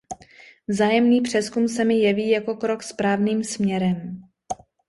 Vzájemný přezkum se mi jeví jako krok správným směrem.